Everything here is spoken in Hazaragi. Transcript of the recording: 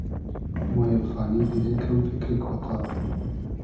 مۉ اېلخانی دیرې کئم فیکری کۉتا